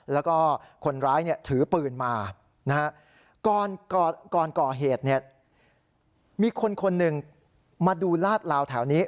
แล้วก็คนร้ายถือปืนมานะฮะก่อนก่อเหตุเนี่ยมีคนคนหนึ่งมาดูลาดลาวแถวนี้